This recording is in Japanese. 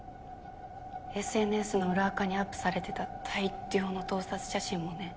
ＳＮＳの裏アカにアップされてた大量の盗撮写真もね。